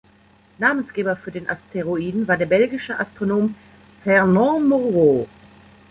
Namensgeber für den Asteroiden war der belgische Astronom Fernand Moreau.